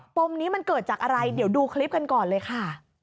มนี้มันเกิดจากอะไรเดี๋ยวดูคลิปกันก่อนเลยค่ะ